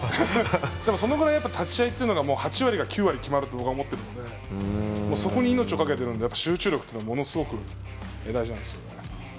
そのぐらい立ち合いっていうのが８割とか９割決まると僕は思ってるのでそこに命を懸けてるので集中力っていうのはものすごく大事なんですよね。